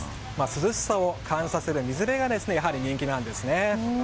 涼しさを感じさせる水辺がやはり人気なんですね。